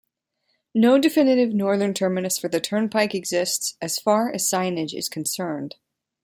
No definitive northern terminus for the turnpike exists as far as signage is concerned.